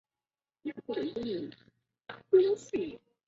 然而哈里发易卜拉欣不被承认。